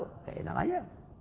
bukan enak saja